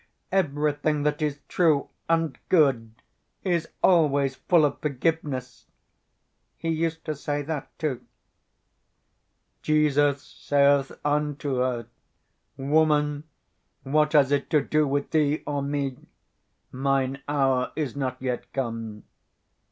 'Everything that is true and good is always full of forgiveness,' he used to say that, too" ... "_Jesus saith unto her, Woman, what has it to do with thee or me? Mine hour is not yet come.